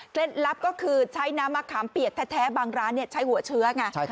ลับก็คือใช้น้ำมะขามเปียกแท้บางร้านใช้หัวเชื้อไง